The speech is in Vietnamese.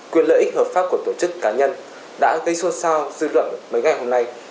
quyền lợi ích hợp pháp của tổ chức cá nhân đã gây xôn xao dư luận mấy ngày hôm nay